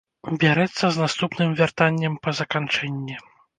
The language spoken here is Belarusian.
Бярэцца з наступным вяртаннем па заканчэнні.